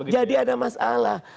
jadi ada masalah